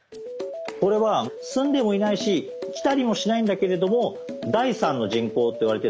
これは住んでもいないし来たりもしないんだけれども第３の人口といわれてる